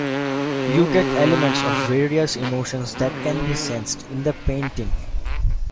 You get elements of various emotions that can be sensed in the painting.